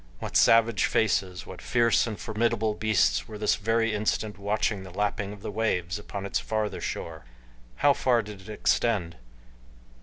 What savage faces, what fierce and formidable beasts were this very instant watching the lapping of the waves upon its farther shore! How far did it extend?